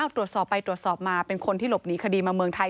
ตรวจสอบไปตรวจสอบมาเป็นคนที่หลบหนีคดีมาเมืองไทย